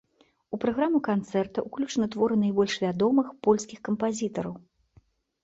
У праграму канцэрта ўключаны творы найбольш вядомых польскіх кампазітараў.